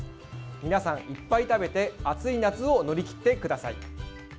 皆さん、いっぱい食べて暑い夏を乗り切ってください。